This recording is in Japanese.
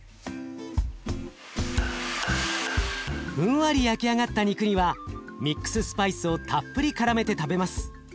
ふんわり焼き上がった肉にはミックススパイスをたっぷりからめて食べます。